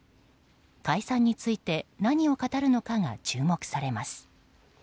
解散について何を語るのかが注目されます。